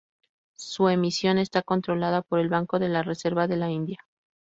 Su emisión está controlada por el Banco de la Reserva de la India.